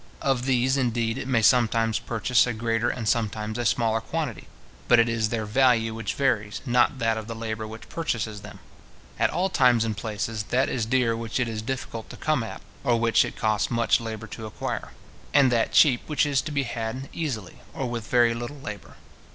Of these, indeed, it may sometimes purchase a greater and sometimes a smaller quantity; but it is their value which varies, not that of the labour which purchases them. At all times and places, that is dear which it is difficult to come at, or which it costs much labour to acquire; and that cheap which is to be had easily, or with very little labour.